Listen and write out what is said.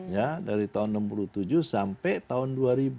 ya dari tahun enam puluh tujuh sampai tahun dua ribu